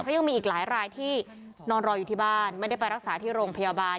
เพราะยังมีอีกหลายรายที่นอนรออยู่ที่บ้านไม่ได้ไปรักษาที่โรงพยาบาล